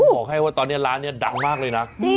บอกให้ว่าตอนนี้ร้านนี้ดังมากเลยนะ